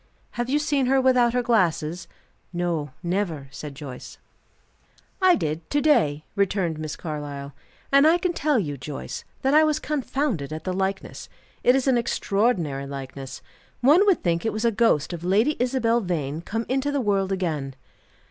"Have you seen her without her glasses?" "No; never," said Joyce. "I did to day," returned Miss Carlyle. "And I can tell you, Joyce, that I was confounded at the likeness. It is an extraordinary likeness. One would think it was a ghost of Lady Isabel Vane come into the world again."